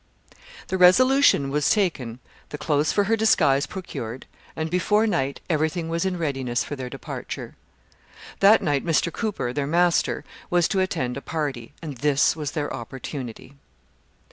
The resolution was taken, the clothes for her disguise procured, and before night everything was in readiness for their departure. That night Mr. Cooper, their master, was to attend a party, and this was their opportunity.